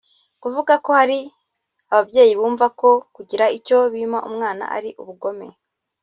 kavuga ko hari ababyeyi bumva ko kugira icyo bima umwana ari ubugome